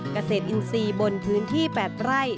เกษตรอินทรีย์บนพื้นที่๘ไร่